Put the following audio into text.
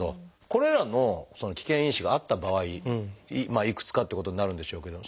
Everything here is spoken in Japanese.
これらの危険因子があった場合いくつかということになるんでしょうけど